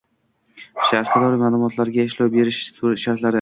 Shaxsga doir ma’lumotlarga ishlov berish shartlari